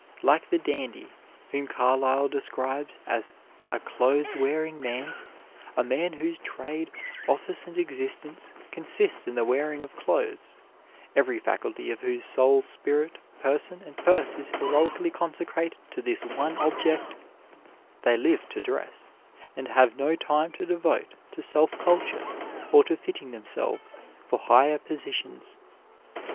Like the dandy, whom Carlyle describes as "a clothes wearing man, a man whose trade, office and existence consists in the wearing of clothes, every faculty of whose soul, spirit, person and purse is heroically consecrated to this one object," they live to dress, and have no time to devote to self culture or to fitting themselves for higher positions.